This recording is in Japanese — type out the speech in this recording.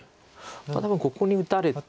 でもここに打たれて。